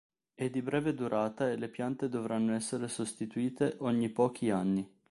È di breve durata e le piante dovranno essere sostituite ogni pochi anni.